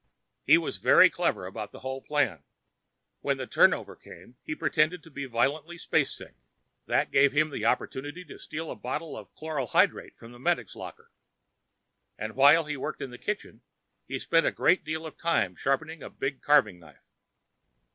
He was very clever about the whole plan. When turn over came, he pretended to get violently spacesick. That gave him an opportunity to steal a bottle of chloral hydrate from the medic's locker. And, while he worked in the kitchen, he spent a great deal of time sharpening a big carving knife.